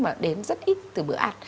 mà đến rất ít từ bữa ăn